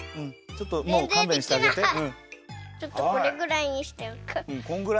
ちょっとこれぐらいにしておく。